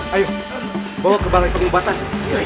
ayo bawa ke balai pengobatan